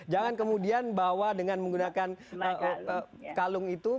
jangan kemudian bawa dengan menggunakan kalung itu